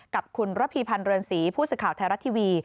กับคุณระพีพันธ์เรือนศรีผู้สื่อข่าวไทยรัฐทีวี